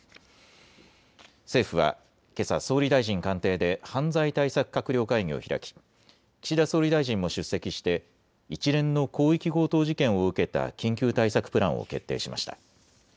政府はけさ総理大臣官邸で犯罪対策閣僚会議を開き岸田総理大臣も出席して一連の広域強盗事件を受けた緊急対策プランを決定しました。